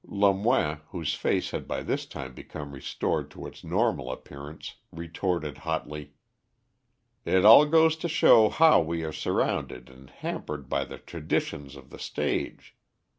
Lemoine, whose face had by this time become restored to its normal appearance, retorted hotly "It all goes to show how we are surrounded and hampered by the traditions of the stage.